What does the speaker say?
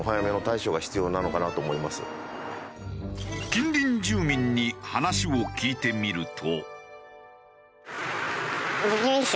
近隣住民に話を聞いてみると。